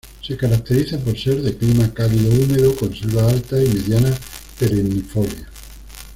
Se caracteriza por ser de clima cálido-húmedo, con selva alta y mediana perennifolia.